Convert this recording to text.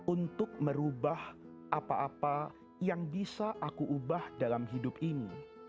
untuk merubah apa apa yang bisa aku ubah dalam hidup ini